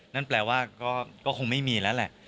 นั่นแปลว่าก็คงไม่มีแล้วแหละ